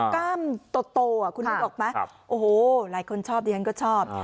กล้ามโตคุณนึกออกไหมโอ้โหหลายคนชอบดิฉันก็ชอบ